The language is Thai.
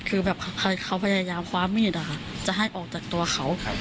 คือแบบเขาพยายามคว้ามีดจะให้ออกจากตัวเขา